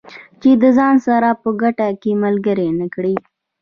چې د ځان سره په ګټه کې ملګري نه کړي.